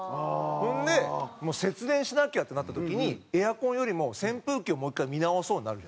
それでもう節電しなきゃってなった時に「エアコンよりも扇風機をもう１回見直そう」に。